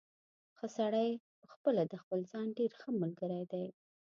ښه سړی پخپله د خپل ځان ډېر ښه ملګری دی.